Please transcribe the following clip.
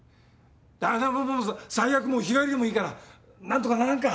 だぁもうもう最悪もう日帰りでもいいから何とかならんか？